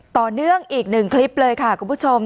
ต่อเนื่องอีกหนึ่งคลิปเลยค่ะคุณผู้ชม